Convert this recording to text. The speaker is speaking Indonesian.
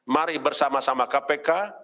mari bersama sama kpk